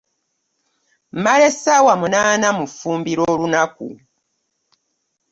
Mmala essaawa munaana mu ffumbiro olunaku.